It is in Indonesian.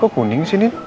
kok kuning sih nih